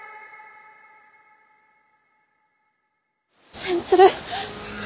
千鶴。